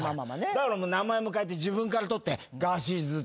だから名前も変えて自分から取ってガーシーズ。